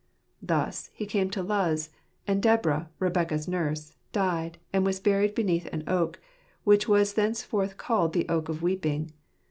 Thus he came to Luz, and Deborah, Rebekah's nurse, died, and was buried beneath an oak, which was thenceforth called the Oak of Weeping.